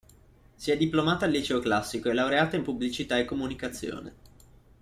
Si è diplomata al liceo classico e laureata in Pubblicità e Comunicazione.